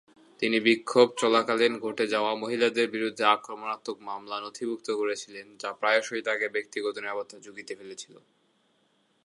তিনি বিক্ষোভ চলাকালীন ঘটে যাওয়া "মহিলাদের বিরুদ্ধে আক্রমণাত্মক হামলা" নথিভুক্ত করেছিলেন যা প্রায়শই তাঁকে ব্যক্তিগত নিরাপত্তার ঝুঁকিতে ফেলেছিল।